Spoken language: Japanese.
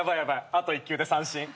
あと１球で三振。